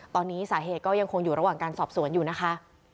ตอนนี้สาเหตุก็ยังคงอยู่ระหว่างการสอบสวนอยู่นะคะ